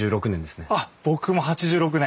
あっ僕も８６年！